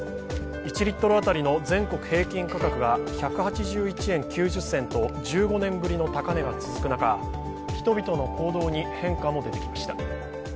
１リットル当たりの全国平均価格が１８１円９０銭と１５年ぶりの高値が続く中、人々の行動に変化も出てきました。